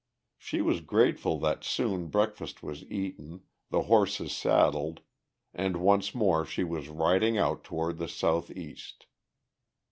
She was grateful that soon breakfast was eaten, the horses saddled and once more she was riding out toward the south east.